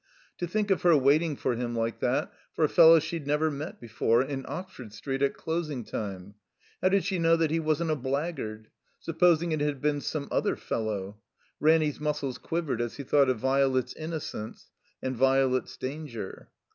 To think of her waiting for him like that — ^for a fellow she'd never met before — ^in Ox ford Street at closing time ! How did she know that he wasn't a blackguard? Supposing it had been some other fellow? Ranny 's muscles quivered as he thought of Violet's innocence and Violet's danger.